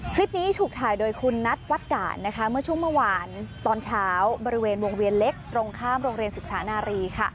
คลิปนี้ถูกถ่ายโดยคุณนัทวัดด่านเมื่อช่วงเมื่อวานตอนเช้าบริเวณวงเวียนเล็กตรงข้ามโรงเรียนศึกษานารี